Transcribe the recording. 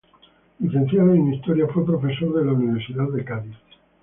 Licenciado en Historia, fue profesor de la Universidad de Cádiz.